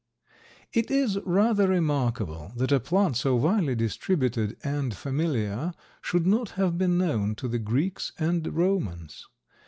It is rather remarkable that a plant so widely distributed and familiar should not have been known to the Greeks and Romans.